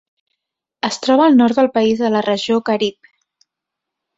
Es troba al nord del país a la regió Carib.